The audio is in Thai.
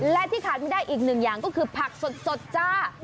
และที่ขาดไม่ได้อีกหนึ่งอย่างก็คือผักสดจ้า